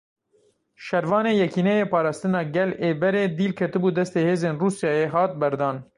Şervanê Yekîneyên Parastina Gel ê berê dîl ketibû destê hêzên Rûsyayê hat berdan.